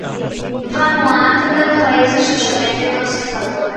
Vanuatu è un paese socialmente conservatore.